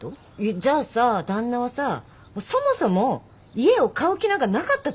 じゃあさ旦那はさそもそも家を買う気なんかなかったってこと？